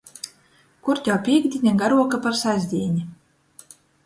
Kur tev pīktdīne garuoka par sastdīni!